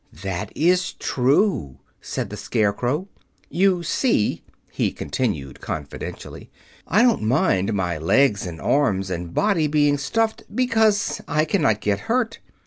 "That is true," said the Scarecrow. "You see," he continued confidentially, "I don't mind my legs and arms and body being stuffed, because I cannot get hurt.